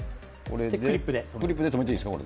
クリップで留めていいですか？